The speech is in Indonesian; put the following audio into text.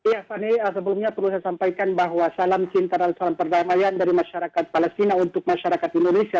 ya fani sebelumnya perlu saya sampaikan bahwa salam cinta dan salam perdamaian dari masyarakat palestina untuk masyarakat indonesia